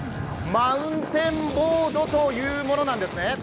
マウンテンボードというものなんですね。